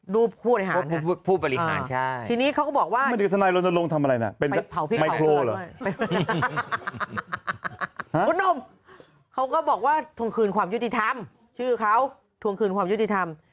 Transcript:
แล้วรูปใคร